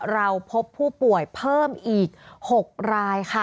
เราพบผู้ป่วยเพิ่มอีก๖รายค่ะ